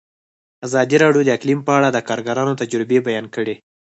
ازادي راډیو د اقلیم په اړه د کارګرانو تجربې بیان کړي.